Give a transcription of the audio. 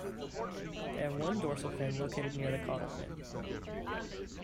They have one dorsal fin located near the caudal fin.